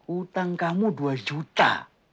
utang kamu dua juta